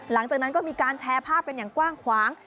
หลังจากนั้นก็มีการแชร์ภาพกันอย่างกว้างขวาง